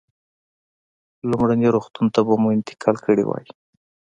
لومړني روغتون ته به مو انتقال کړی وای.